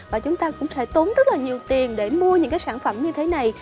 và chúng ta cũng phải tốn rất là nhiều tiền để mua những cái sản phẩm như thế này